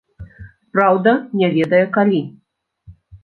Праўда, не ведае калі.